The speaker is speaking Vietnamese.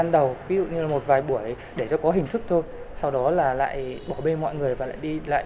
đầu ví dụ như là một vài buổi để cho có hình thức thôi sau đó là lại bỏ bê mọi người và lại đi lại